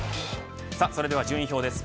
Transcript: それでは順位表です。